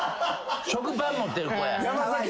食パン持ってる子や。